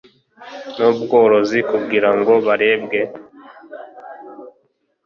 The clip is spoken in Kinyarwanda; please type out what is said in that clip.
n ubworozi kugira ngo harebwe